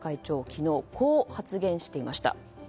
昨日、こう発言していました。